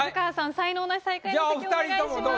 才能ナシ最下位のお席へお願いします。